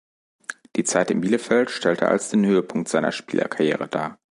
Die Zeit in Bielefeld stellt er als den Höhepunkt seiner Spielerkarriere dar.